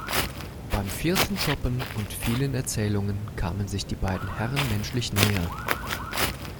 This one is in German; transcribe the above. Beim vierten Schoppen und vielen Erzählungen kamen sich die beiden Herren menschlich näher.